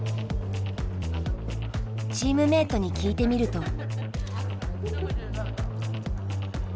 チームメートに聞いてみると。